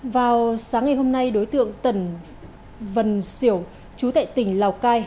vào sáng ngày hôm nay đối tượng tần vân siểu chú tại tỉnh lào cai